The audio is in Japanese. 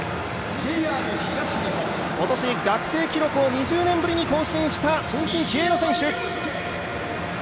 今年学生記録を２０年ぶりに更新した新進気鋭の選手。